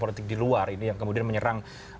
politik di luar ini yang kemudian menyerang